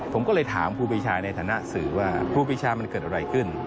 ผมก็เลยถามครูปีชาในฐานะสื่อว่าครูปีชามันเกิดอะไรขึ้น